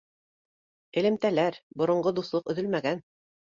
Элемтәләр, боронғо дуҫлыҡ өҙөлмәгән